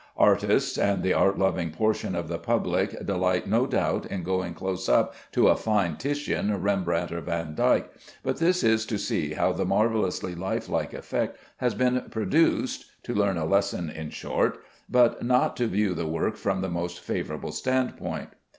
Artists and the art loving portion of the public delight no doubt in going close up to a fine Titian, Rembrandt, or Vandyck, but this is to see how the marvellously life like effect has been produced (to learn a lesson in short), but not to view the work from the most favorable standpoint.